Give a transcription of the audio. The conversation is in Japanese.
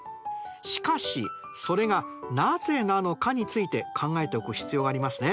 しかしそれがなぜなのかについて考えておく必要がありますね。